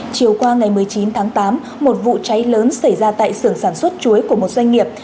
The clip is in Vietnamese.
chiều qua ngày một mươi chín tháng tám một vụ cháy lớn xảy ra tại sưởng sản xuất chuối của một doanh nghiệp